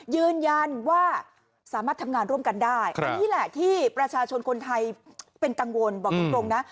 ยืนยันว่าสามารถทำงานร่วมกันได้อันนี้แหละที่ประชาชนคนไทยเป็นกังวลบอกตรงนะ